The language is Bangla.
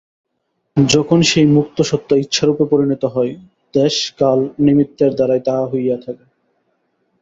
যখন সেই মুক্ত সত্তা ইচ্ছারূপে পরিণত হয়, দেশ-কাল-নিমিত্তের দ্বারাই তাহা হইয়া থাকে।